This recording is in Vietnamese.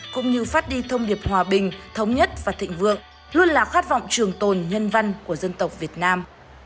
cũng như phát đi thông điệp hòa bình thống nhất và thịnh vượng luôn là khát vọng trường tồn nhân văn của dân tộc việt nam